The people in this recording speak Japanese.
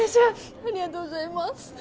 ありがとうございます。